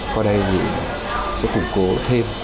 có đây sẽ củng cố thêm